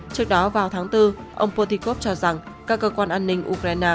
trước đó vào tháng bốn ông potikov cho rằng các cơ quan an ninh ukraine